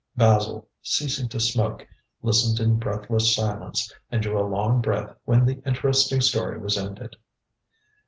Basil, ceasing to smoke, listened in breathless silence, and drew a long breath when the interesting story was ended.